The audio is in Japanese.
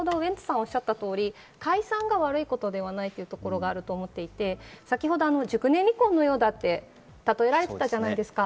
おっしゃった通り解散が悪いことではないというところがあると思っていて、先ほど熟年離婚のようだと例えられていたじゃないですか。